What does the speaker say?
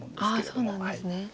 そうなんですね。